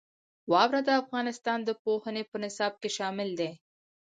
واوره د افغانستان د پوهنې په نصاب کې شامل دي.